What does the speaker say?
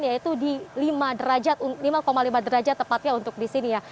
yaitu di lima lima derajat tepatnya untuk di sini ya